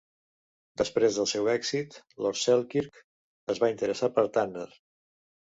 Després del seu èxit, Lord Selkirk es va interessar per Tanner.